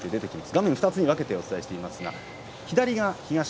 画面２つに分けてお伝えしています。